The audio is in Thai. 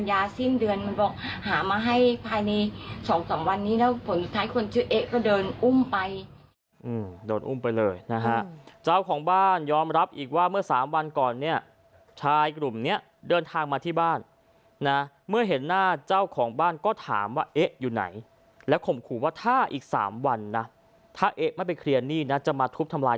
สิ้นเดือนมันก็หามาให้ภายในสองสามวันนี้แล้วผลสุดท้ายคนชื่อเอ๊ะก็เดินอุ้มไปโดนอุ้มไปเลยนะฮะเจ้าของบ้านยอมรับอีกว่าเมื่อสามวันก่อนเนี่ยชายกลุ่มเนี้ยเดินทางมาที่บ้านนะเมื่อเห็นหน้าเจ้าของบ้านก็ถามว่าเอ๊ะอยู่ไหนแล้วข่มขู่ว่าถ้าอีกสามวันนะถ้าเอ๊ะไม่ไปเคลียร์หนี้นะจะมาทุบทำลาย